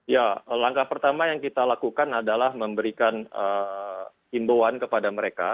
ya langkah pertama yang kita lakukan adalah memberikan himbauan kepada mereka